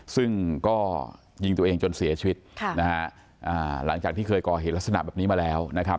ซึ่งก็ยิงตัวเองจนเสียชีวิตค่ะนะฮะหลังจากที่เคยก่อเหตุลักษณะแบบนี้มาแล้วนะครับ